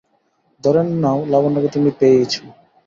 ধরেই নাও, লাবণ্যকে তুমি পেয়েইছ।